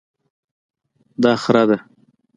دا خره ده